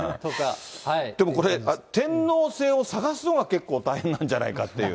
でもこれ、天王星を探すのが結構大変なんじゃないかっていう。